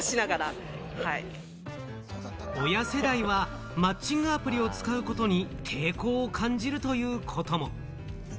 親世代はマッチングアプリを使うことに抵抗を感じるということも。